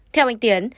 theo anh tiến